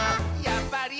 やっぱり！」